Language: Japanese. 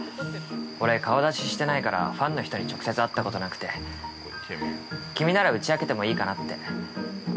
俺、顔出ししてないから、ファンの人に直接会ったことなくて君なら打ち明けてもいいかなって。